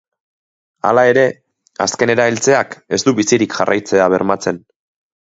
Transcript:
Hala ere, azkenera heltzeak ez du bizirik jarraitzea bermatzen.